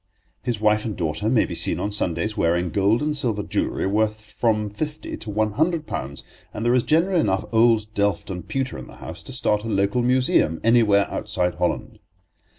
His wife and daughter may be seen on Sundays wearing gold and silver jewellery worth from fifty to one hundred pounds, and there is generally enough old delft and pewter in the house to start a local museum anywhere outside Holland.